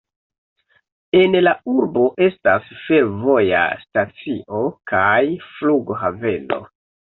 En la urbo estas fervoja stacio kaj flughaveno.